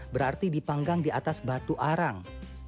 berarti dipanggang di atas batu arang